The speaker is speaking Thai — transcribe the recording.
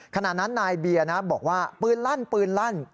ขณะนั้นนายเบียร์บอกว่าปืนลั่น